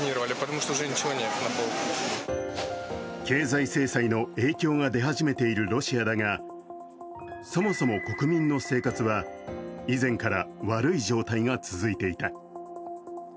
経済制裁の影響が出始めているロシアだが、そもそも国民の生活は以前から悪い状態が続いていた。